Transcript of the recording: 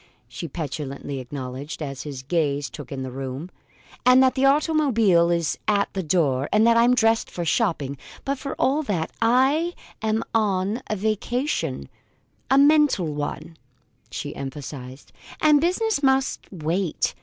she petulantly acknowledged, as his gaze took in the room; "and that the automobile is at the door; and that I'm dressed for shopping. But for all that I'm on a vacation a mental one," she emphasized; "and business must wait.